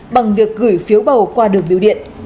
bằng việc gửi phiếu bầu vào ngày một mươi bốn tháng bảy